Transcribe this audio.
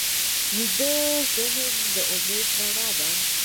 ویده ذهن د امید رڼا ده